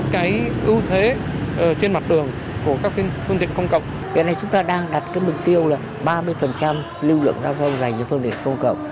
cái này chúng ta đang đặt cái mục tiêu là ba mươi lưu lượng giao thông dành cho phương tiện công cộng